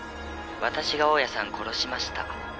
「私が大家さん殺しました。